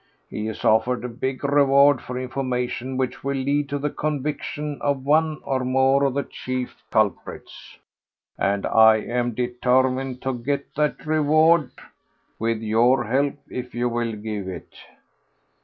He has offered a big reward for information which will lead to the conviction of one or more of the chief culprits, and I am determined to get that reward—with your help, if you will give it."